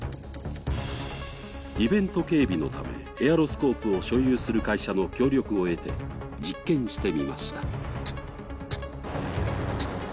イベント警備のためエアロスコープを所有する会社の切りを得て、実験してみました。